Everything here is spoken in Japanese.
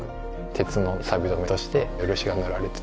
鉄のさび止めとして漆が塗られてたり。